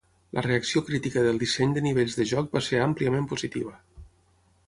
La reacció crítica del disseny de nivells de joc va ser àmpliament positiva.